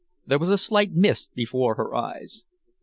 There was a slight mist before her eyes.